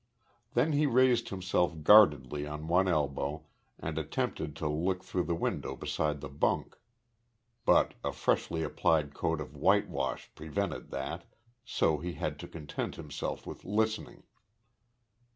Then he raised himself guardedly on one elbow and attempted to look through the window beside the bunk. But a freshly applied coat of whitewash prevented that, so he had to content himself with listening.